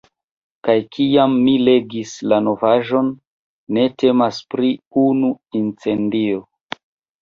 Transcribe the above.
Kaj kiam mi legis la novaĵon, ne temas pri unu incendio.